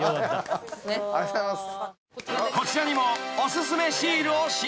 ［こちらにも］